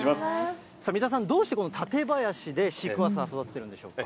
三田さん、どうして館林でシークワーサー育ててるんでしょうか。